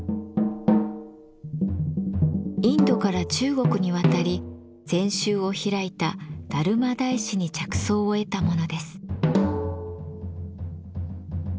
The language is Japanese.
インドから中国に渡り禅宗を開いた達磨大師に着想を得たものです。